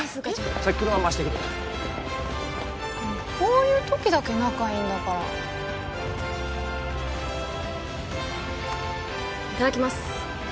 先車まわしてくるこういうときだけ仲いいんだからいただきます